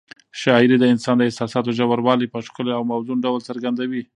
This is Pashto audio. شاعري د انسان د احساساتو ژوروالی په ښکلي او موزون ډول څرګندوي.